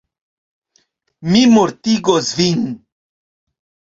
Mi mortigos vin!